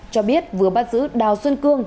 cho biết vừa bắt giữ đào xuân cương